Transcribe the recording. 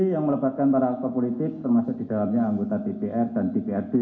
yang melebatkan para aktor politik termasuk di dalamnya anggota dpr dan dprd